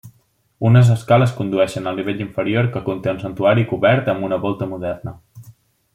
Unes escales condueixen al nivell inferior que conté un santuari cobert amb una volta moderna.